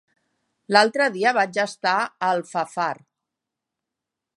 L'altre dia vaig estar a Alfafar.